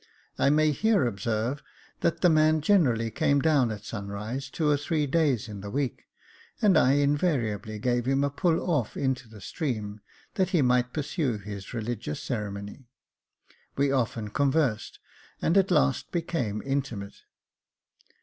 I may here observe, that the man generally came down at sunrise two or three days in the week, and I invariably gave him a pull off into the stream, that he might pursue his religious ceremony. We often conversed, and at last became intimate.